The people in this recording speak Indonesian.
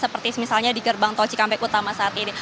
seperti misalnya di gerbang tol cikampek utama saat ini